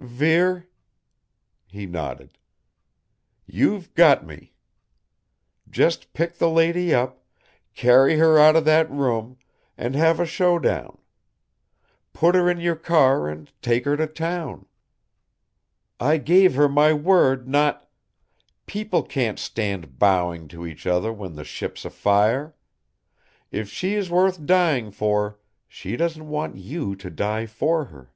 "Vere?" He nodded. "You've got me! Just pick the lady up, carry her out of that room, and have a show down. Put her in your car and take her to town." "I gave her my word not " "People can't stand bowing to each other when the ship's afire. If she is worth dying for, she doesn't want you to die for her."